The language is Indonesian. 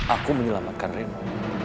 aku menyelamatkan reno